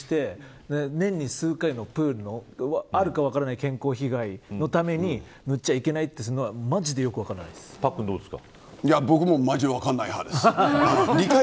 それを犠牲にして年に数回のプールのあるか分からない健康被害のために塗っちゃいけないとするのはパックンは、どうですか。